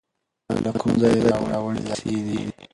تاله کوم ځایه راوړي دا کیسې دي